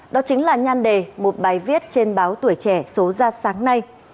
đó chính là nhan đề một bài viết trên báo tuổi trẻ số gia sản